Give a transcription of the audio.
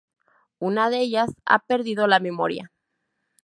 Una de ellas ha perdido la memoria.